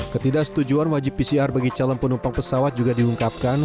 ketidaksetujuan wajib pcr bagi calon penumpang pesawat juga diungkapkan